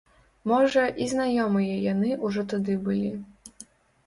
Можа, і знаёмыя яны ўжо тады былі.